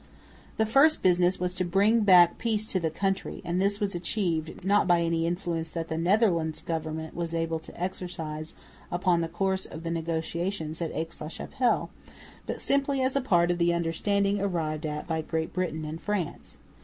The first business was to bring back peace to the country; and this was achieved, not by any influence that the Netherlands government was able to exercise upon the course of the negotiations at Aix la Chapelle, but simply as a part of the understanding arrived at by Great Britain and France.